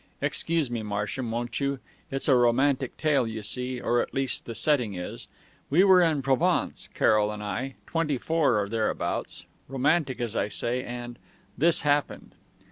(Excuse me, Marsham, won't you? It's a romantic tale, you see, or at least the setting is.) ... We were in Provence, Carroll and I; twenty four or thereabouts; romantic, as I say; and and this happened.